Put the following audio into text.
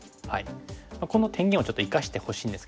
この天元をちょっと生かしてほしいんですけども。